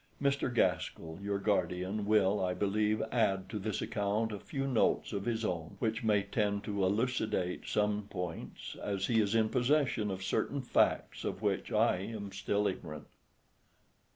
Mr. Gaskell, your guardian, will, I believe, add to this account a few notes of his own, which may tend to elucidate some points, as he is in possession of certain facts of which I am still ignorant.